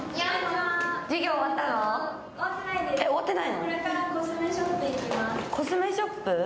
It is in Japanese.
えっ終わってないの？